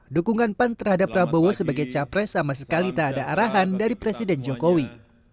dukungan pan terhadap prabowo sebagai capres sama sekali tak ada arahan dari presiden jokowi